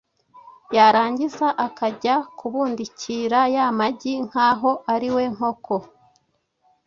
yarangiza akajya kubundikira ya magi nk’aho ari we nkoko!